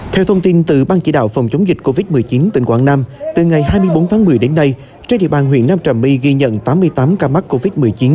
theo thông tin từ ban chỉ đạo phòng chống dịch covid một mươi chín tỉnh quảng nam từ ngày hai mươi bốn tháng một mươi đến nay trên địa bàn huyện nam trà my ghi nhận tám mươi tám ca mắc covid một mươi chín